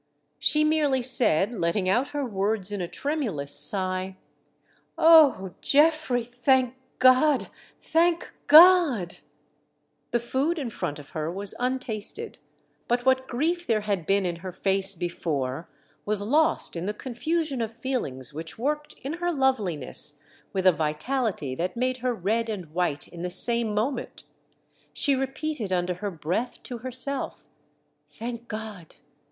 She merely said, letting out her words in a tremulous sigh :" O Geoffrey, thank God ! thank God !" The food in front of her was untasted ; but what grief there had been in her face before was lost in the confusion of feelinofs which worked in her loveliness with a vitality that made her red and white in the same moment. She repeated under her breath to herself: "Thank God!